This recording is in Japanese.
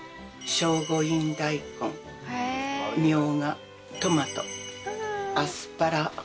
聖護院大根ミョウガトマトアスパラ